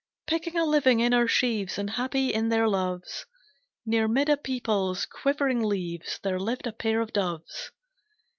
"Picking a living in our sheaves, And happy in their loves, Near, 'mid a peepul's quivering leaves, There lived a pair of doves.